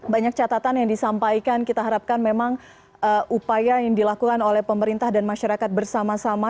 banyak catatan yang disampaikan kita harapkan memang upaya yang dilakukan oleh pemerintah dan masyarakat bersama sama